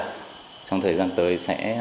trong thời gian tới sẽ làm sáng tỏa